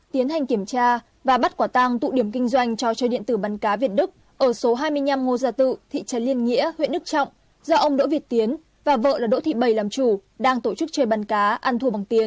tiến hành kiểm tra và bắt quả tang tụ điểm kinh doanh trò chơi điện tử bắn cá việt đức ở số hai mươi năm ngô gia tự thị trấn liên nghĩa huyện đức trọng do ông đỗ việt tiến và vợ là đỗ thị bảy làm chủ đang tổ chức chơi bắn cá ăn thua bằng tiền